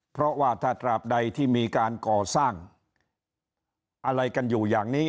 เพราะว่าถ้าตราบใดที่มีการก่อสร้างอะไรกันอยู่อย่างนี้